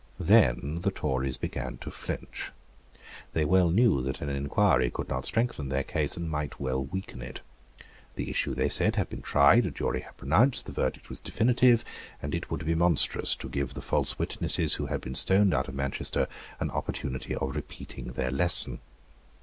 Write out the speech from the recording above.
Then the Tories began to flinch. They well knew that an inquiry could not strengthen their case, and might weaken it. The issue, they said, had been tried; a jury had pronounced; the verdict was definitive; and it would be monstrous to give the false witnesses who had been stoned out of Manchester an opportunity of repeating their lesson.